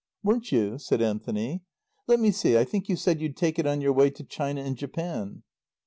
"Weren't you?" said Anthony. "Let me see, I think you said you'd take it on your way to China and Japan."